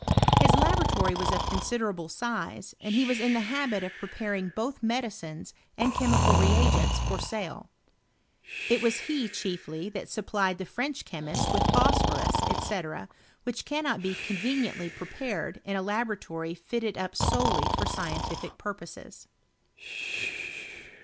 His laboratory was of considerable size, and he was in the habit of pre paring both medicines and chemical reagents for sale. It was he chiefly that supplied the French chemists with phosphorus, Sec, which cannot be conveniently prepared in a laboratory fitted up solely for scientific purposes.